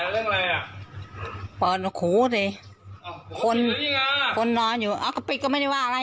นี่ประชาปันถ่ายรถหัวฉันน้ำให้เหี่ยวปัน